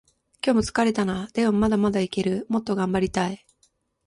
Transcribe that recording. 今日も疲れたな。でもまだまだいける。もっと頑張りたい。